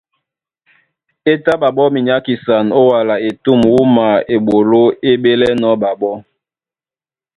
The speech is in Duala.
É tá ɓaɓɔ́ minyákisan ó wala etûm wúma eɓoló é ɓélɛ́nɔ̄ ɓaɓɔ́.